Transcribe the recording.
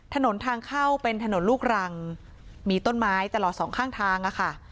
ถนนทางเข้าเป็นถนนลูกรังมีต้นไม้ตลอดสองข้างทางอะค่ะ